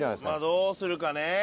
まあどうするかね？